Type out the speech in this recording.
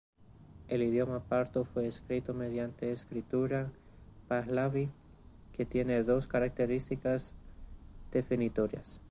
El idioma parto fue escrito mediante escritura pahlavi, que tiene dos características definitorias.